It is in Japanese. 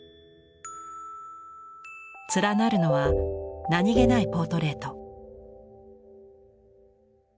連なるのは何気ないポートレート。